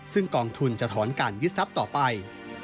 ซึ่งกองทุนจะถอนการวิทยาศัพท์ต่อไป